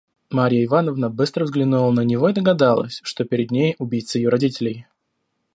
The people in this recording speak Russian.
Марья Ивановна быстро взглянула на него и догадалась, что перед нею убийца ее родителей.